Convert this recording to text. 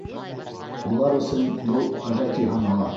Улар өсөн был ғәҙәти һанала.